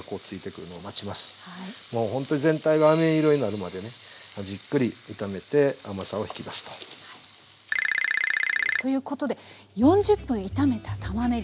もうほんとに全体があめ色になるまでじっくり炒めて甘さを引き出すと。ということで４０分炒めたたまねぎ。